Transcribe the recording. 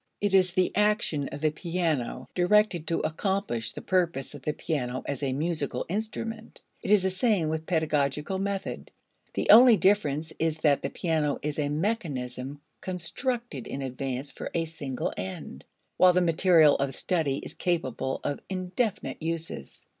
It is the action of the piano directed to accomplish the purpose of the piano as a musical instrument. It is the same with "pedagogical" method. The only difference is that the piano is a mechanism constructed in advance for a single end; while the material of study is capable of indefinite uses.